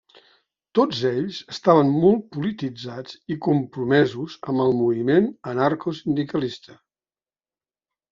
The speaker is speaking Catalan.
Tots ells estaven molt polititzats i compromesos amb el moviment anarco-sindicalista.